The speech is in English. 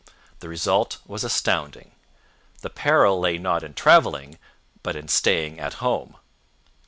The result was astounding. THE PERIL LAY NOT IN TRAVELING, BUT IN STAYING AT HOME.